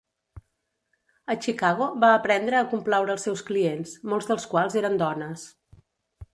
A Chicago va aprendre a complaure els seus clients, molts dels quals eren dones.